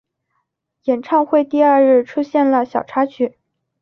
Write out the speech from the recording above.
演唱会第二日出现了小插曲。